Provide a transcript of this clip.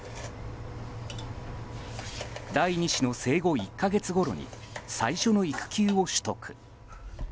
第２子の生後１か月ごろに最初の育休を取得。